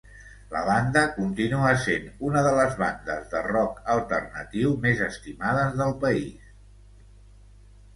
La banda continua sent una de les bandes de rock alternatiu més estimades del país.